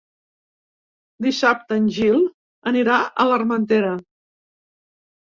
Dissabte en Gil anirà a l'Armentera.